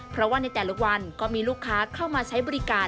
เพราะว่าในแต่ละวันก็มีลูกค้าเข้ามาใช้บริการ